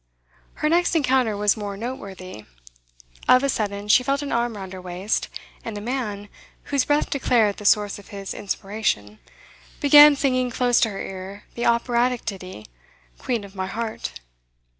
Her next encounter was more noteworthy. Of a sudden she felt an arm round her waist, and a man, whose breath declared the source of his inspiration, began singing close to her ear the operatic ditty, 'Queen of my Heart.